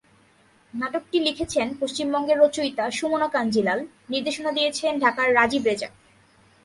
নাটকটি লিখেছেন পশ্চিমবঙ্গের রচয়িতা সুমনা কাঞ্জিলাল, নির্দেশনা দিয়েছেন ঢাকার রাজীব রেজা।